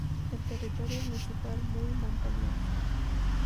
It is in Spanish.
El territorio municipal muy montañoso.